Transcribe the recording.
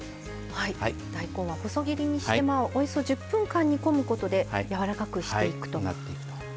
大根は細切りにしておよそ１０分間煮込むことでやわらかくしていくと。